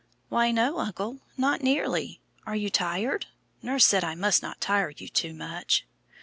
"Why, no, uncle, not nearly. Are you tired? Nurse said I must not tire you too much."